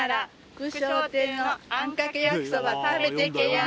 「福昇亭のあんかけ焼きそば食べてけやー！」